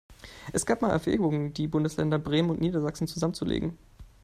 Es gab mal Erwägungen, die Bundesländer Bremen und Niedersachsen zusammenzulegen.